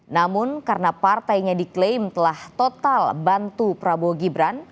namun karena partainya diklaim telah total bantu prabowo gibran